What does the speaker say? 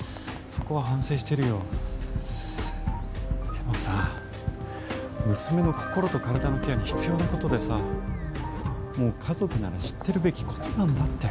でもさ娘の心と体のケアに必要なことでさ、もう、家族なら知ってるべきことなんだって！